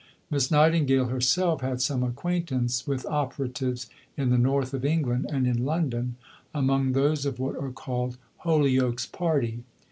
Miss Nightingale herself had some acquaintance with operatives in the North of England and in London, "among those of what are called 'Holyoake's party.'"